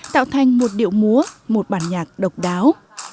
tạo thành một điệu múa một bản nhạc độc đáo